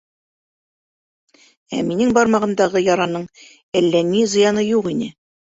Ә минең бармағымдағы яраның әллә ни зыяны юҡ ине.